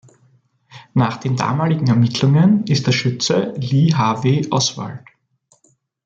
Nach den damaligen Ermittlungen ist der Schütze Lee Harvey Oswald.